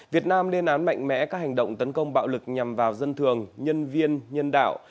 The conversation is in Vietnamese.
việt nam lên án mạnh mẽ các hành động tấn công bạo lực nhằm vào dân thường nhân viên nhân đạo